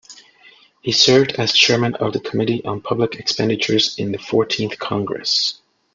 He served as Chairman of the Committee on Public Expenditures in the Fourteenth Congress.